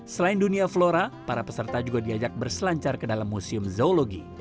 selain dunia flora para peserta juga diajak berselancar ke dalam museum zoologi